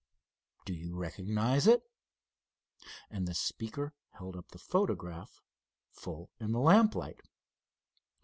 Do you recognize it?" and the speaker held up the photograph full in the lamp light.